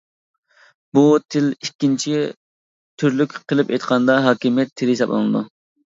بۇ تىل ئىككىنچى تۈرلۈك قىلىپ ئېيتقاندا ھاكىمىيەت تىلى ھېسابلىنىدۇ.